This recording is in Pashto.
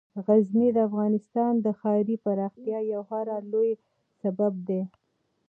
غزني د افغانستان د ښاري پراختیا یو خورا لوی سبب دی.